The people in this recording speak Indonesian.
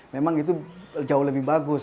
memang itu jauh lebih bagus